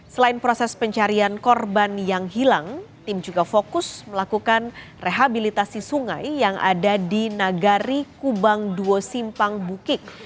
selain proses pencarian korban yang hilang tim juga fokus melakukan rehabilitasi sungai yang ada di nagari kubang duo simpang bukik